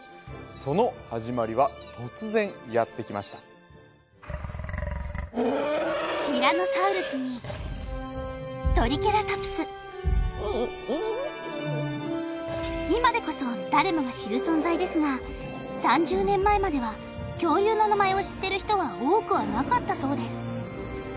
その始まりは突然やって来ましたティラノサウルスにトリケラトプス今でこそ誰もが知る存在ですが３０年前までは恐竜の名前を知っている人は多くはなかったそうです